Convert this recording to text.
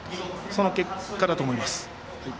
その結果だと思います。